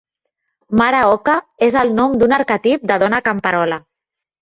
Mare Oca és el nom d'un arquetip de dona camperola.